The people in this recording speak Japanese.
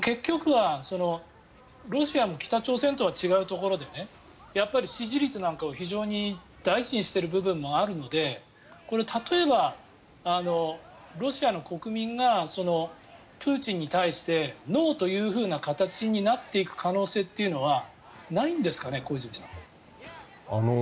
結局はロシアも北朝鮮とは違うところで支持率なんかを非常に大事にしている部分があるので例えば、ロシアの国民がプーチンに対してノーというような形になっていく可能性はないんですかね、小泉さん。